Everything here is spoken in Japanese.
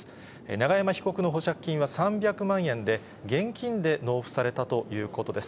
永山被告の保釈金は３００万円で、現金で納付されたということです。